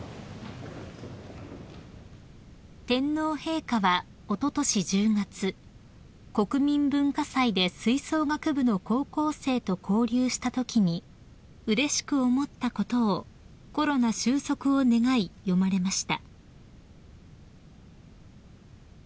［天皇陛下はおととし１０月国民文化祭で吹奏楽部の高校生と交流したときにうれしく思ったことをコロナ終息を願い詠まれました］